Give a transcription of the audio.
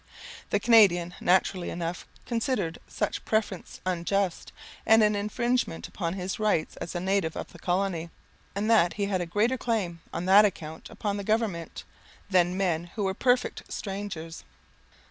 The Canadian, naturally enough, considered such preference unjust, and an infringement upon his rights as a native of the colony, and that he had a greater claim, on that account, upon the government, than men who were perfect strangers.